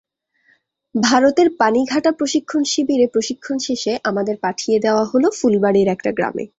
ভারতের পানিঘাটা প্রশিক্ষণ শিবিরে প্রশিক্ষণ শেষে আমাদের পাঠিয়ে দেওয়া হলো ফুলবাড়ীর একটা গ্রামে।